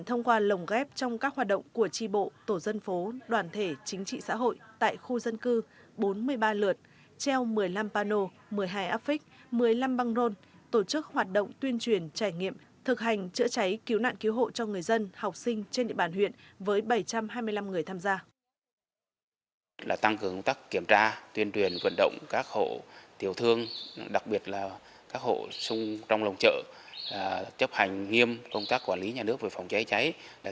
tổ chức hoạt động tuyên truyền trải nghiệm thực hành chữa cháy cứu nạn cứu hộ cho người dân học sinh trên địa bàn huyện với bảy trăm hai mươi năm người tham gia